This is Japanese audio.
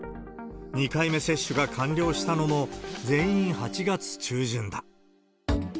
２回目接種が完了したのも全員８月中旬だ。